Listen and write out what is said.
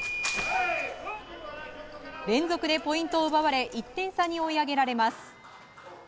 連続でポイントを奪われ１点差に追い上げられます。